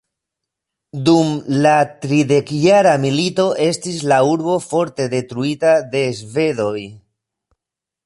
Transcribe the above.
Dum la tridekjara milito estis la urbo forte detruita de svedoj.